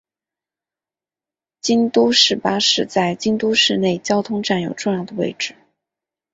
京都市巴士在京都市内交通中占有重要位置。